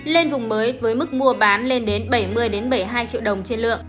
lên vùng mới với mức mua bán lên đến bảy mươi bảy mươi hai triệu đồng trên lượng